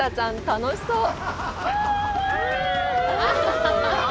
楽しそう！